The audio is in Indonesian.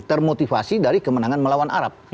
termotivasi dari kemenangan melawan arab